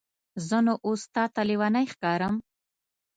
زه نو اوس تاته لیونی ښکارم؟